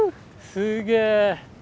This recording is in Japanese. すげえ！